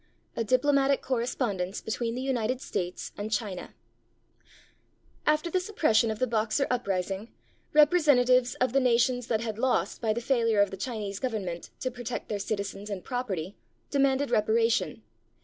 A DIPLOMATIC CORRESPONDENCE BETWEEN THE UNITED STATES AND CHINA [After the suppression of the Boxer uprising, representa tives of the nations that had lost by the failure of the Chinese Government to protect their citizens and property demanded reparation.